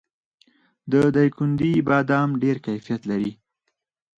د دایکنډي بادام ډیر کیفیت لري.